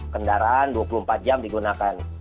kendaraan dua puluh empat jam digunakan